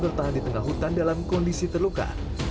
bertahan di tengah hutan dalam kondisi terluka